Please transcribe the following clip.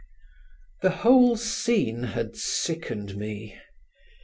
The whole scene had sickened me.